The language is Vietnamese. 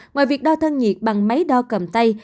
ngoài việc đo thân nhiệt bằng máy đo cầm tay